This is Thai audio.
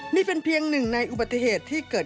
นี่เป็นเพียงหนึ่งในอุบัติเหตุที่เกิด